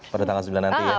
pada tanggal sembilan nanti ya